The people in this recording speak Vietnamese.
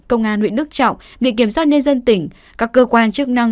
công an huyện đức trọng viện kiểm soát nhân dân tỉnh các cơ quan chức năng